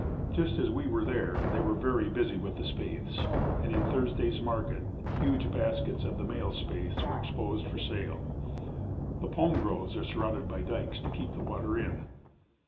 Just as we were there they were very busy with the spathes, and in Thursday's Market huge baskets of the male spathes were exposed for sale. The palm groves are surrounded by dykes to keep the water in.